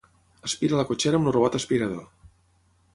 Aspira la cotxera amb el robot aspirador.